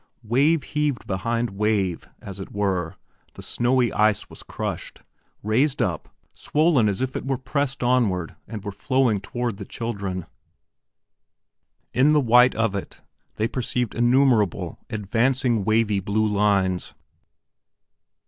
Wave heaved behind wave, as it were, the snowy ice was crushed, raised up, swollen as if it pressed onward and were flowing toward the children. In the white of it they perceived innumerable advancing wavy blue lines.